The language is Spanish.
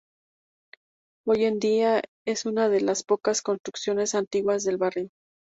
Hoy en día es una de las pocas construcciones antiguas del barrio.